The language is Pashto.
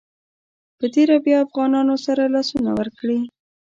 په تېره بیا افغانانو سره لاسونه ورکړي.